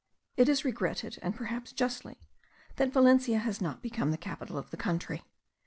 It is regretted, and perhaps justly, that Valencia has not become the capital of the country.